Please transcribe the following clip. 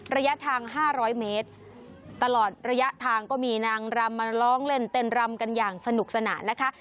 ระยะทาง๕๐๐เมตรตลอดระยะทางก็มีนางรำมาร้องเล่นเต้นรำกันอย่างสนุกสนานนะคะ